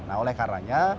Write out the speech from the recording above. nah oleh karanya